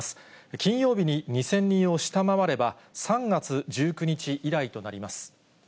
金曜日に２０００人を下回れば、３月１９日以来となります。